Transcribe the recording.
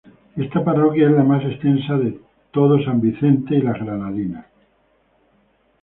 Esta parroquia es la más extensa de todo San Vicente y las Granadinas.